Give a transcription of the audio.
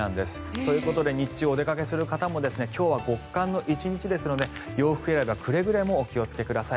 ということで日中お出かけする方も今日は極寒の１日ですので洋服選びはくれぐれもお気をつけください。